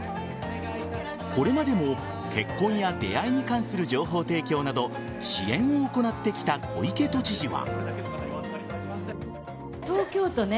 これまでも結婚や出会いに関する情報提供など支援を行ってきた小池都知事は。